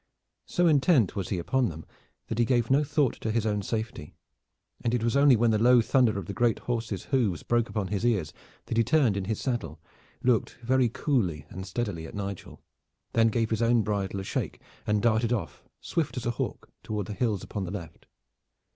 So intent was he upon them that he gave no thought to his own safety, and it was only when the low thunder of the great horse's hoofs broke upon his ears that he turned in his saddle, looked very coolly and steadily at Nigel, then gave his own bridle a shake and darted off, swift as a hawk, toward the hills upon the left.